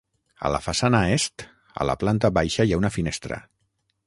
A la façana est, a la planta baixa hi ha una finestra.